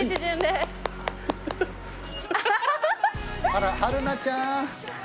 あら春奈ちゃん。